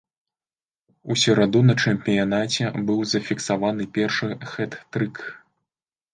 У сераду на чэмпіянаце быў зафіксаваны першы хет-трык.